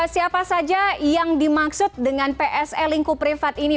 siapa saja yang dimaksud dengan pse lingkup privat ini